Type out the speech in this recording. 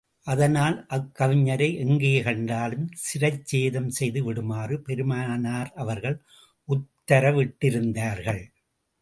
அதனால் அக்கவிஞரை எங்கே கண்டாலும் சிரச்சேதம் செய்து விடுமாறு பெருமானார் அவர்கள் உத்தரவிட்டிருந்தார்கள்.